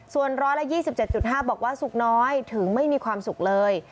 ส่วนร้อยละยี่สิบเจ็ดจุดห้าบอกว่าสุขน้อยถึงไม่มีความสุขเลย